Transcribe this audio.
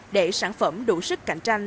để sản phẩm đủ sức cạnh tranh